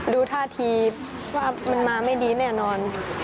ดูท่าทีว่ามันมาไม่ดีแน่นอน